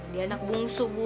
dia anak bungsu bu